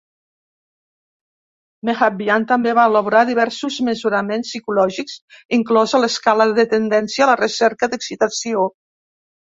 Mehrabian també va elaborar diversos mesuraments psicològics, inclosa l'"Escala de tendència a la recerca de excitació".